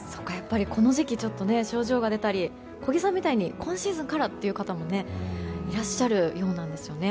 この時期、症状が出たり小木さんみたいに今シーズンからみたいな方もいらっしゃるようなんです。